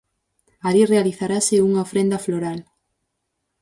Alí realizarase unha ofrenda floral.